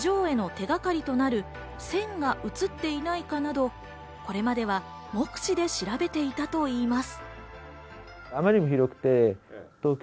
地上絵の手がかりとなる線がうつっていないかなど、これまでは目視で調べていたといいます。